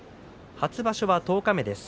初場所は十日目です。